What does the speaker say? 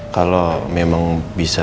kalau memang bisa sehat